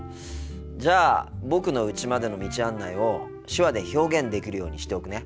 じゃあ僕のうちまでの道案内を手話で表現できるようにしておくね。